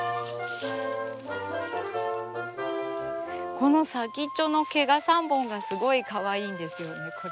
この先っちょの毛が３本がすごいかわいいんですよねこれ。